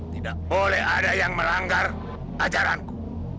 tidak boleh ada yang melanggar ajaranku